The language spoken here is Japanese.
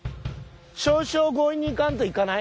少々強引にいかんと行かない？